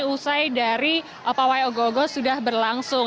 usai dari pawai ogo ogo sudah berlangsung